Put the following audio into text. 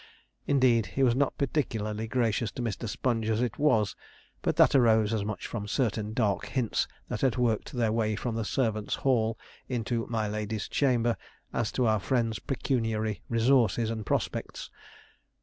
Indeed, he was not particularly gracious to Mr. Sponge as it was; but that arose as much from certain dark hints that had worked their way from the servants' hall into 'my lady's chamber' as to our friend's pecuniary resources and prospects.